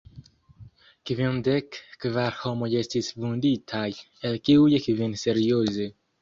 Kvindek kvar homoj estis vunditaj, el kiuj kvin serioze.